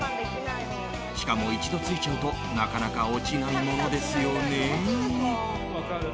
しかも、一度ついちゃうとなかなか落ちないものですよね。